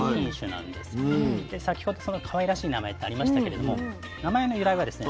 で先ほどそのかわいらしい名前ってありましたけれども名前の由来はですね。